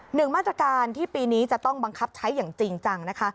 หนึ่งมาตรการที่ปีนี้จะต้องบังคับใช้อย่างจริงจังนะคะ